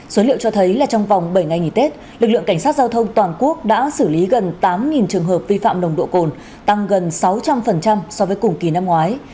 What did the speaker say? số liệu cho thấy là trong vòng bảy ngày nghỉ tết lực lượng cảnh sát giao thông toàn quốc đã xử lý gần tám trường hợp vi phạm nồng độ cồn tăng gần sáu trăm linh so với cùng kỳ năm ngoái